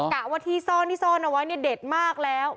กะว่าที่ซ่อนที่ซ่อนเอาไว้เนี่ยเด็ดมากแล้ว